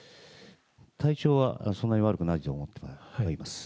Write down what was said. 体調はそんなに悪くないと思っています。